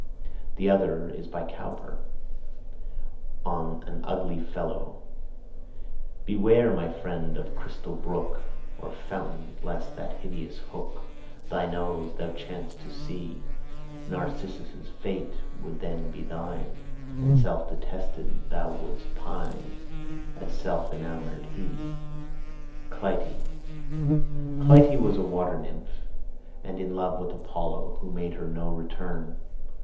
The other is by Cowper: "ON AN UGLY FELLOW "Beware, my friend, of crystal brook Or fountain, lest that hideous hook, Thy nose, thou chance to see; Narcissus' fate would then be thine, And self detested thou would'st pine, As self enamoured he." CLYTIE Clytie was a water nymph and in love with Apollo, who made her no return.